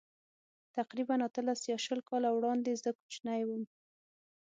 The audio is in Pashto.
تقریباً اتلس یا شل کاله وړاندې زه کوچنی وم.